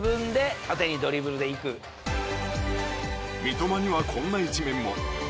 三笘にはこんな一面も。